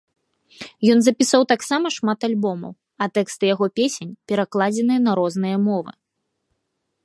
Ён запісаў таксама шмат альбомаў, а тэксты яго песень перакладзеныя на розныя мовы.